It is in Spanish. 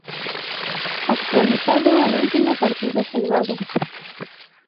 Actualizado al último partido jugado.